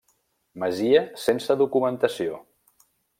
Masia sense documentació.